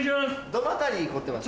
どの辺り凝ってます？